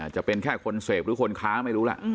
จะเป็นแค่คนเสพหรือคนค้าไม่รู้ล่ะ